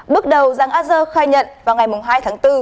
bước đầu giang a giơ khai nhận vào ngày hai tháng bốn